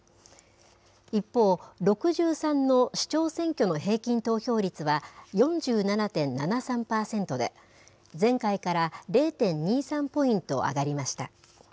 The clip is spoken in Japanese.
一方、６３の市長選挙の平均投票率は４７．７３％で、前回から０．２３ポイント上がりました。